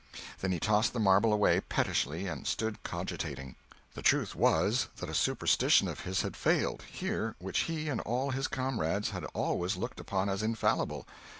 Then he tossed the marble away pettishly, and stood cogitating. The truth was, that a superstition of his had failed, here, which he and all his comrades had always looked upon as infallible.